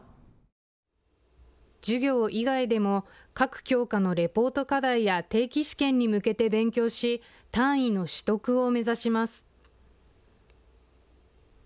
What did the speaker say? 授業以外でも各教科のレポート課題や定期試験に向けて勉強し、単位の取得を目指します。